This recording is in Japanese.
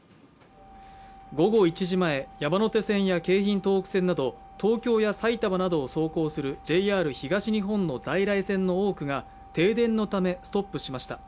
午後１時前、山手線や京浜東北線など東京や埼玉などを走行するＪＲ東日本の在来線の多くが停電のためストップしました。